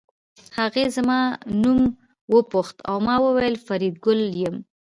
هغې زما نوم وپوښت او ما وویل فریدګل یم